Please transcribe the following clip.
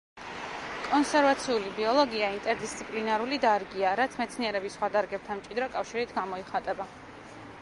კონსერვაციული ბიოლოგია ინტერდისციპლინარული დარგია, რაც მეცნიერების სხვა დარგებთან მჭიდრო კავშირით გამოიხატება.